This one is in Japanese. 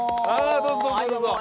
どうぞどうぞどうぞ。